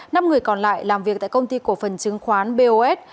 năm người còn lại làm việc tại công ty cổ phần chứng khoán bos